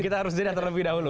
kita harus jadi atur lebih dahulu